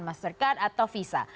mastercard atau visa